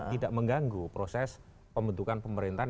tidak mengganggu proses pembentukan pemerintahan